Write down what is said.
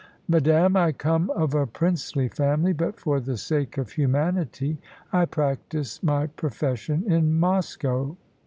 "Madame, I come of a princely family, but for the sake of humanity I practised my profession in Moscow.